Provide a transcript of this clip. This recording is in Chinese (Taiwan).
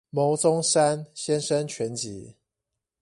牟宗三先生全集